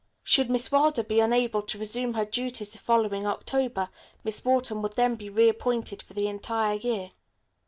Should Miss Wilder be unable to resume her duties the following October, Miss Wharton would then be reappointed for the entire year.